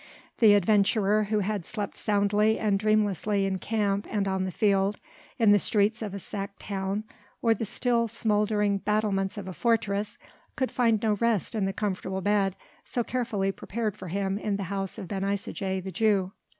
The adventurer, who had slept soundly and dreamlessly in camp and on the field, in the streets of a sacked town or the still smouldering battlements of a fortress, could find no rest in the comfortable bed so carefully prepared for him in the house of Ben Isaje the Jew.